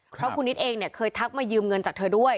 เพราะคุณนิดเองเนี่ยเคยทักมายืมเงินจากเธอด้วย